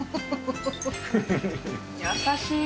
優しい。